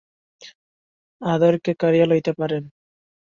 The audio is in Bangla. আদর যে কাড়িয়া লইতে পারেন।